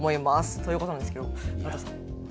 ということなんですけど直太朗さん。